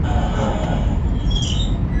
د ښوونځي له هلکانو همزولانو څخه !.